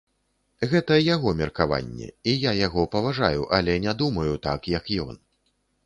Гэта яго меркаванне і я яго паважаю, але не думаю так, як ён.